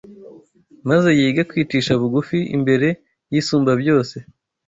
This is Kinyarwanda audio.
maze yige kwicisha bugufi imbere y’Isumbabyose